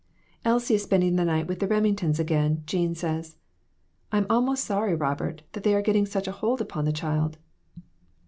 "Elsie is spending the night with the Reming tons again, Jean says. I'm almost sorry, Rob ert, that they are getting such a hold upon the child."